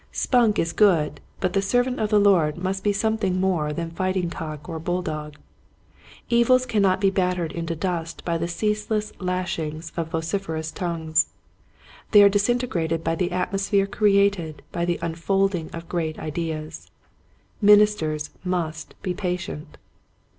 Spunk is good, but the servant of the Lord must be some thing more than fighting cock or bull dog. Evils cannot be battered into dust by the ceaseless lashings of vociferous tongues : they are disintegrated by the atmosphere created by the unfolding of great ideas. Ministers must be patient.